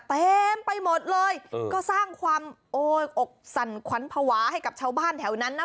เต็มไปหมดเลยก็สร้างความโอ้ยอกสั่นขวัญภาวะให้กับชาวบ้านแถวนั้นนะ